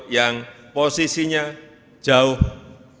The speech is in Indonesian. yang posisinya jauh dari kawasan hidropower